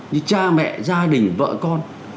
như cha mẹ gia đình vợ con